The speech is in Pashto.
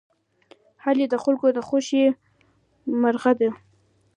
هیلۍ د خلکو د خوښې مرغه ده